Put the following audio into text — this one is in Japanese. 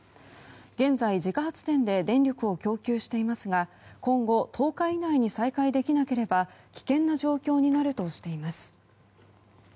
現在、自家発電で電力を供給していますが今後１０日以内に再開できなければ危険な状況になるとしています。